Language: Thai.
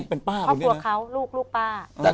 ครอบครัวเขาลูกป้า